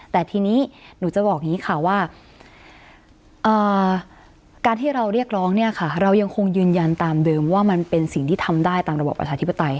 แต่ทีนี้หนูจะบอกอย่างนี้ค่ะว่าการที่เราเรียกร้องเนี่ยค่ะเรายังคงยืนยันตามเดิมว่ามันเป็นสิ่งที่ทำได้ตามระบบประชาธิปไตย